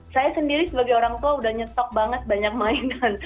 saya sendiri sebagai orang tua udah nyetok banget banyak mainan